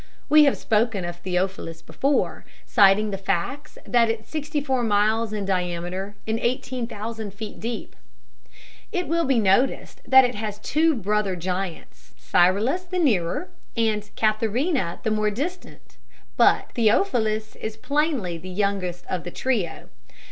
We have spoken of Theophilus before, citing the facts that it is sixty four miles in diameter and eighteen thousand feet deep. It will be noticed that it has two brother giants—Cyrillus the nearer, and Catharina the more distant; but Theophilus is plainly the youngest of the trio.